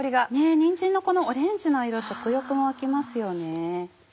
にんじんのこのオレンジの色食欲も湧きますよね。